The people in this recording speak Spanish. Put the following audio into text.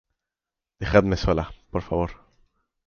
dejadme sola, por favor